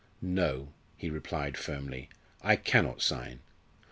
"No," he replied firmly, "I cannot sign.